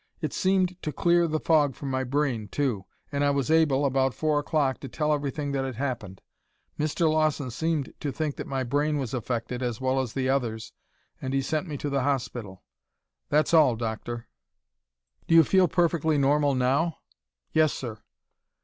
It seemed to clear the fog from my brain, too, and I was able, about four o'clock, to tell everything that had happened. Mr. Lawson seemed to think that my brain was affected as well as the others' and he sent me to the hospital. That's all, Doctor." "Do you feel perfectly normal now?" "Yes, sir."